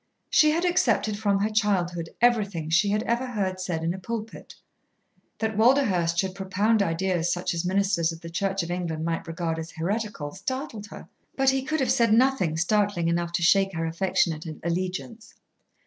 She had accepted from her childhood everything she had ever heard said in a pulpit. That Walderhurst should propound ideas such as ministers of the Church of England might regard as heretical startled her, but he could have said nothing startling enough to shake her affectionate allegiance.